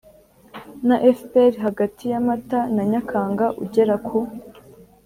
na fpr hagati ya mata na nyakanga ugera ku